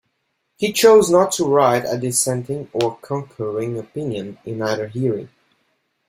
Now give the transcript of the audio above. He chose not to write a dissenting or concurring opinion, in either hearing.